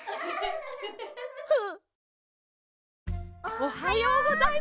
おはようございます。